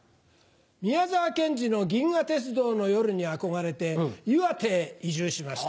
宮沢賢治の『銀河鉄道の夜』に憧れて岩手へ移住しました。